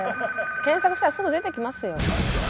検索したらすぐ出てきますよ。